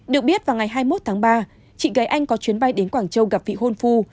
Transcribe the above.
được biết vào ngày hai mươi một tháng ba chị gái anh có chuyến bay đến quảng châu gặp vị hôn phu